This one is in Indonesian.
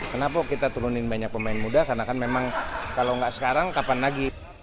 kenapa kita turunin banyak pemain muda karena kan memang kalau nggak sekarang kapan lagi